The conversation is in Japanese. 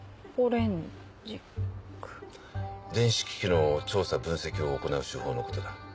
電子機器の調査分析を行う手法のことだ。